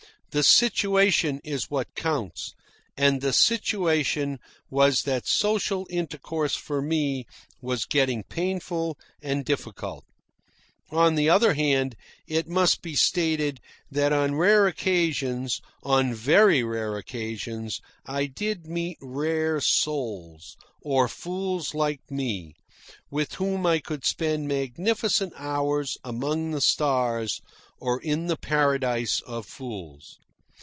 The situation is what counts, and the situation was that social intercourse for me was getting painful and difficult. On the other hand, it must be stated that on rare occasions, on very rare occasions, I did meet rare souls, or fools like me, with whom I could spend magnificent hours among the stars, or in the paradise of fools.